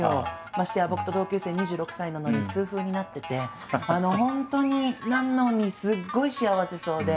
ましてや僕と同級生２６歳なのに痛風になってて本当になのにすごい幸せそうで。